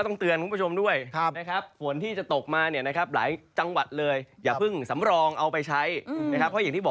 สงสัยจะซวยในบ้านอย่างนี้